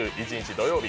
土曜日